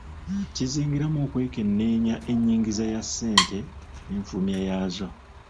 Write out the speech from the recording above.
Kizingiramu okwekenneenya ennyingiza ya ssente n'enfulumya yaazo.